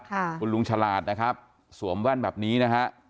คุณลุงฉลาดนะครับสวมแว่นแบบนี้นะฮะ